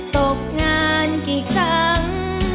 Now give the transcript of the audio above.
ตกงานกี่ครั้ง